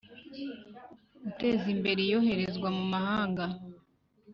Guteza Imbere Iyoherezwa mu mahanga